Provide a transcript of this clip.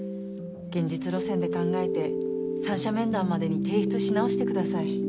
現実路線で考えて三者面談までに提出し直してください。